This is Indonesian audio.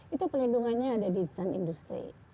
itu pelindungannya ada design industry